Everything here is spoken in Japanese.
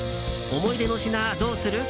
思い出の品どうする？